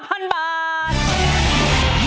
เช่นกัน